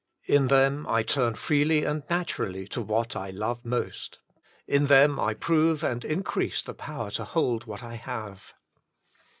In them I turn freely and naturally to what I love most. In them I prove and increase the power to hold what I have.